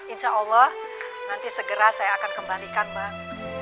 insya allah nanti segera saya akan kembalikan bang